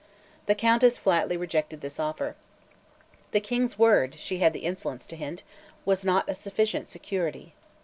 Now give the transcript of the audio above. The Countess flatly rejected this offer. The King's word, she had the insolence to hint, was not a sufficient security.